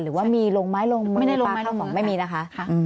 หรือว่ามีลงไม้ลงมือปลาเข้าหมองไม่มีนะคะ